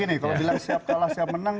gini kalau bilang siap kalah siap menang